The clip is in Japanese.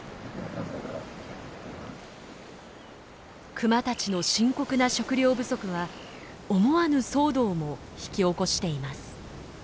クマたちの深刻な食料不足は思わぬ騒動も引き起こしています。